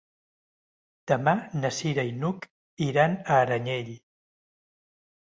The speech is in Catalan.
Demà na Cira i n'Hug iran a Aranyel.